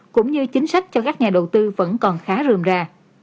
cũng như chính sách cho các nhà đầu tư vẫn còn khá rượm ra